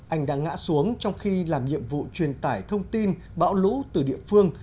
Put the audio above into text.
anh đã ngã xuống trong khi làm nhiệm vụ truyền tải thông tin bão lũ từ địa phương